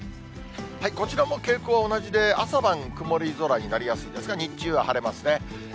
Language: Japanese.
こちらも傾向は同じで、朝晩、曇り空になりやすいですが、日中は晴れますね。